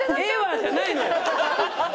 じゃないのよ。